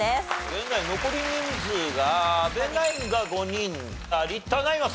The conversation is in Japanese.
現在残り人数が阿部ナインが５人有田ナインは３人かもう。